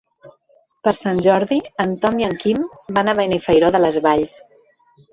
Per Sant Jordi en Tom i en Quim van a Benifairó de les Valls.